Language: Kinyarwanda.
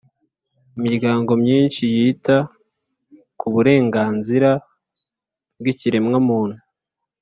imiryango myinshi yita ku burenganzira bw'ikiremwamuntu,